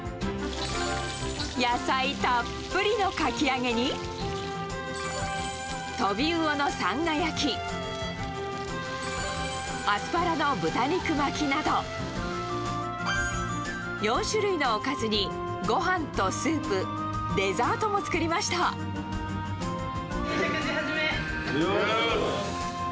野菜たっぷりのかき揚げに、トビウオのさんが焼き、アスパラの豚肉巻きなど、４種類のおかずにごはんとスープ、いただきます。